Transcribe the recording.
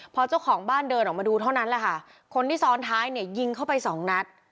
พอเจ้าของบ้านเดินออกมาดูเท่านั้นแหละค่ะคนที่ซ้อนท้ายเนี่ยยิงเข้าไปสองนัด